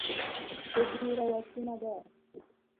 Jobura owachi maber